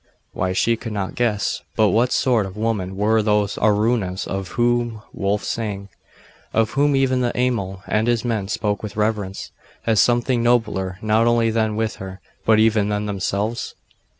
Why, she could not guess: but what sort of women were those Alrunas of whom Wulf sang, of whom even the Amal and his men spoke with reverence, as something nobler, not only than her, but even than themselves?